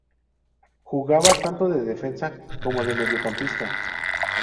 Jugaba tanto de defensa como de mediocampista.